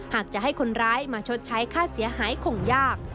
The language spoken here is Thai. หากจะให้คนร้ายมาชดใช้ค่าเสียหายคงยาก